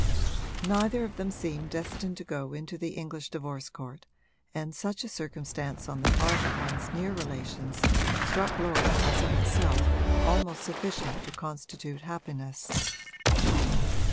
Neither of them seemed destined to go into the English divorce court, and such a circumstance on the part of one's near relations struck Laura as in itself almost sufficient to constitute happiness.